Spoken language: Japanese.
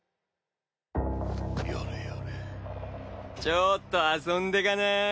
ちょっと遊んでかない？